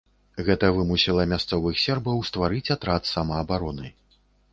Гэта вымусіла мясцовых сербаў стварыць атрад самаабароны.